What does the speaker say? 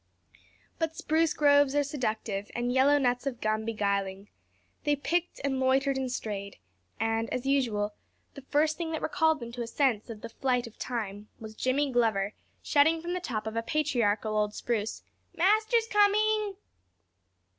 But spruce groves are seductive and yellow nuts of gum beguiling; they picked and loitered and strayed; and as usual the first thing that recalled them to a sense of the flight of time was Jimmy Glover shouting from the top of a patriarchal old spruce "Master's coming."